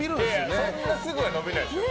いや、そんなすぐは伸びないですよ。